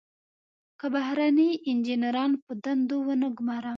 که بهرني انجنیران په دندو ونه ګمارم.